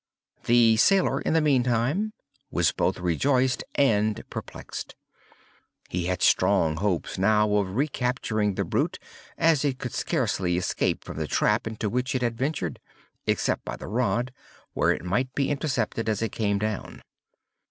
The sailor, in the meantime, was both rejoiced and perplexed. He had strong hopes of now recapturing the brute, as it could scarcely escape from the trap into which it had ventured, except by the rod, where it might be intercepted as it came down.